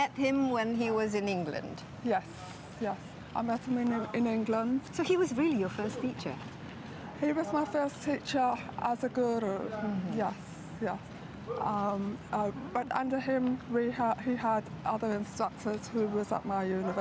dan kemudian anda berlari berapa jauh anda berlari